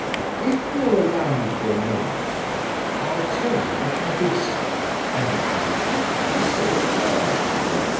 "If you'll allow me for a moment, T., I'll tell you what I did say, and if you wish it, I'll say it again."